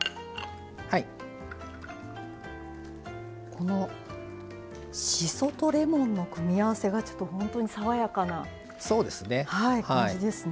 このしそとレモンの組み合わせがちょっと本当に爽やかな感じですね。